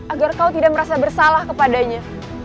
agar kau tidak merasa bersalah kepadanya